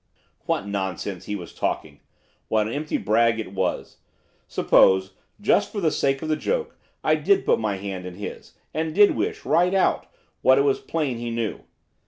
What nonsense he was talking! What empty brag it was! Suppose, just for the sake of the joke, I did put my hand in his, and did wish, right out, what it was plain he knew.